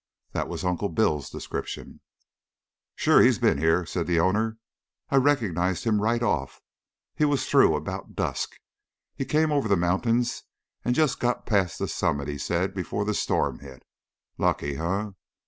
That was Uncle Bill's description. "Sure he's been here," said the owner. "I recognized him right off. He was through about dusk. He came over the mountains and just got past the summit, he said, before the storm hit. Lucky, eh?"